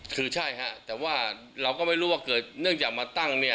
คือใช่ฮะแต่ว่าเราก็ไม่รู้ว่าเกิดเนื่องจากมาตั้งเนี่ย